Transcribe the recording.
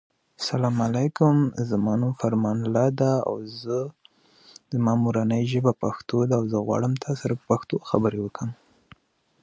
د ژوند بریا د مثبت فکر او هڅو پایله ده.